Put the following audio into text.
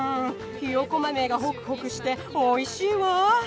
ひよこ豆がホクホクしておいしいわ。